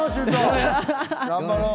頑張ろう。